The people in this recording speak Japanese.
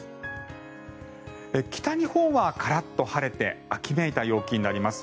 北日本はカラッと晴れて秋めいた陽気になります。